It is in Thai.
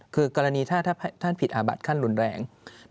คือกรณีถ้าท่านผิดอาบัติขั้นรุนแรง